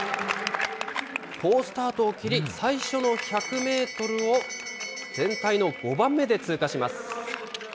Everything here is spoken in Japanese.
好スタートを切り、最初の１００メートルを全体の５番目で通過します。